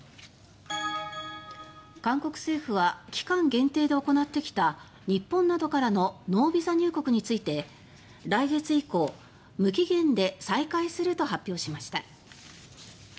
韓国政府は期間限定で行ってきた日本などからのノービザ入国について来月以降新型コロナの感染拡大前のように無期限で再開すると発表しました。